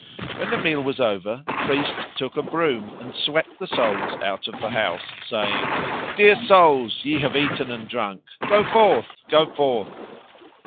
When the meal was over the priest took a broom and swept the souls out of the house, saying, "Dear souls, ye have eaten and drunk. Go forth, go forth."